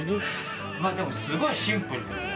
でもすごいシンプルですよね。